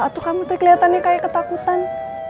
aduh kamu keliatannya kayak ketakutan